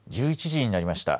１１時になりました。